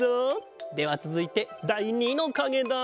ではつづいてだい２のかげだ。